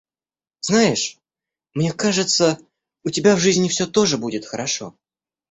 Знаешь, мне кажется, у тебя в жизни всё тоже будет хорошо!